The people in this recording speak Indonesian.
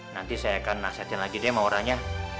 nanti saya akan nasihatin lagi deh maura nya